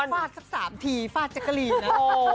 ฟาดสัก๓ทีฟาดแจ๊กกะลีนนะ